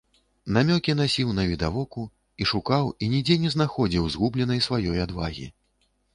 Намёкі насіў навідавоку і шукаў і нідзе не знаходзіў згубленай сваёй адвагі.